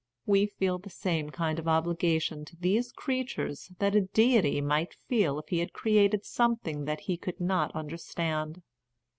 We feel the same kind of obligation to these creatures that a deity might feel if he had created something that he could not understand.